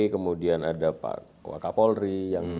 kemudian ada pak waka polri